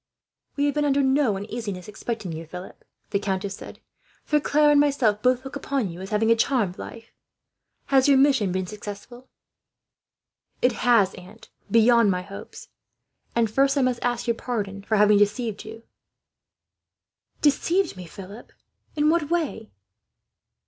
"We have been under no uneasiness respecting you, Philip," the countess said; "for Claire and myself both look upon you as having a charmed life. Has your mission been successful?" "It has, aunt, beyond my hopes. And first, I must ask your pardon for having deceived you." "Deceived me, Philip! In what way?"